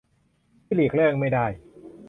ที่หลีกเลี่ยงไม่ได้